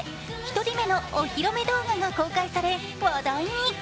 １人目のお披露目動画が公開され、話題に。